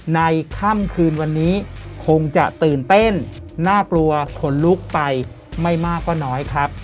ในค่ำคืนวันนี้คงจะตื่นเต้นน่ากลัวขนลุกไปไม่มากก็น้อยครับ